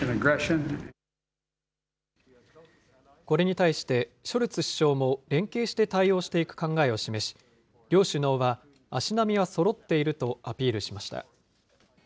これに対してショルツ首相も連携して対応していく考えを示し、両首脳は足並みはそろっているとアピールしました。